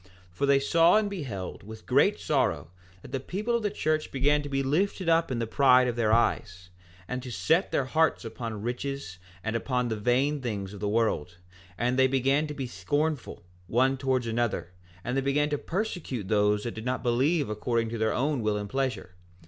4:8 For they saw and beheld with great sorrow that the people of the church began to be lifted up in the pride of their eyes, and to set their hearts upon riches and upon the vain things of the world, that they began to be scornful, one towards another, and they began to persecute those that did not believe according to their own will and pleasure.